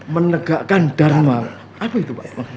menegakkan dharma apa itu pak